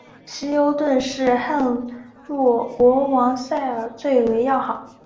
希优顿是洛汗国王塞哲尔最为要好。